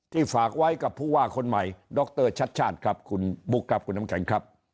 ที่ฝากไว้กับผู้ว่าคนใหม่ดรชัตชาติคุณบุ๊คคุณน้ำแข็ง